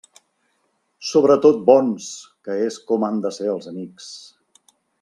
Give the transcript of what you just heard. Sobretot bons, que és com han de ser els amics.